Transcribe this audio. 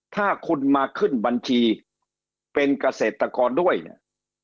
ถ้าคุณมาขึ้นบัญชีเป็นเกษตรกรด้วยเนี่ย